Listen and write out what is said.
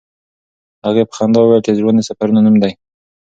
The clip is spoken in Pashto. هغې په خندا وویل چې ژوند د سفرونو نوم دی.